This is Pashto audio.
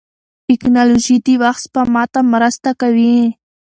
ټکنالوژي د وخت سپما ته مرسته کوي.